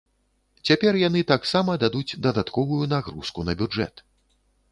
Цяпер яны таксама дадуць дадатковую нагрузку на бюджэт.